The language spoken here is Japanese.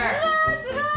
すごい！